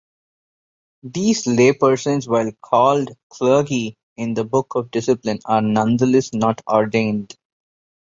These laypersons while called clergy in the Book of Discipline are nonetheless not ordained.